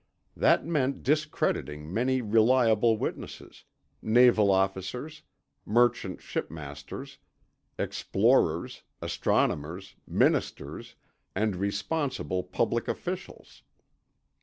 That meant discrediting many reliable witnesses—naval officers, merchant shipmasters, explorers, astronomers, ministers, and responsible public officials.